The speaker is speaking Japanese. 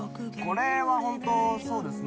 これはホントそうですね